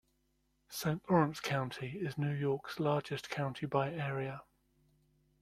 Saint Lawrence County is New York's largest county by area.